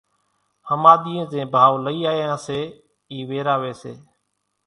ۿماۮِيئين زين ڀائو لئي آيان سي اِي ويراوي سي،